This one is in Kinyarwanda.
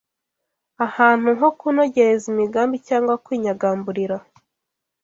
ahantu ho kunogereza imigambi cyangwa kwinyagamburira